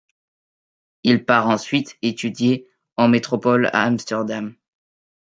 Il part ensuite étudier en métropole à Amsterdam.